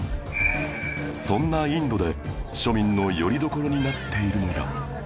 そんなインドで庶民のよりどころになっているのが